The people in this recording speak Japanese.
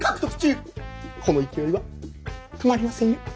この勢いは止まりませんよ。